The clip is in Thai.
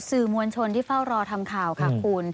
สื่อมวลชนที่เฝ้ารอทำข่าวค่ะคุณ